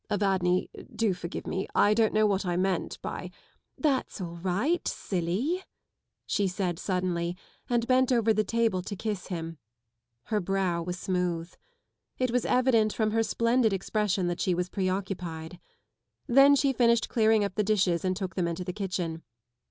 " Evadne, do forgive me ŌĆö I don't know what I meant by ŌĆö "That's all right, silly !" she said suddenly and bent over the table to kiss him. Her brow was smooth. It was evident from her splendid expression that she was preoccupied. Then she finished clearing up the dishes and took them into the kitchen.